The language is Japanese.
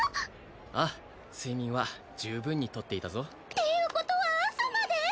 ああ睡眠は十分にとっていたぞっていうことは朝まで！？